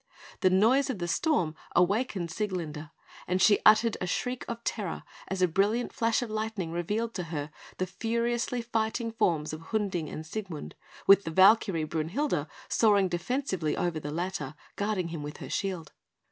The noise of the storm awakened Sieglinde; and she uttered a shriek of terror as a brilliant flash of lightning revealed to her the furiously fighting forms of Hunding and Siegmund, with the Valkyrie, Brünhilde, soaring defensively over the latter, guarding him with her shield.